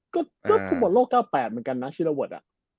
ก็คุณบอกโลก๙๘เหมือนกันนะฮิลาวอท